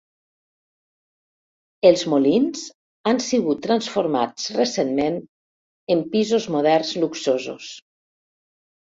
Els molins han sigut transformats recentment en pisos moderns luxosos.